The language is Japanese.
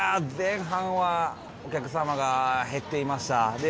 前半はお客様が減っていました。